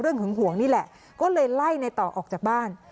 หึงห่วงนี่แหละก็เลยไล่ในต่อออกจากบ้าน